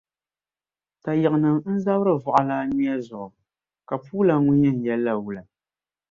Tayiɣinima n-zabiri vuɣilaa nyuya zuɣu ka puulana ŋun’ yɛn yɛl’la wula?